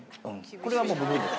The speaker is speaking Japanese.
これはもうぶぶーです。